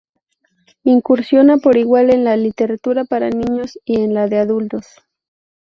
Incursiona por igual en la literatura para niños y en la de adultos.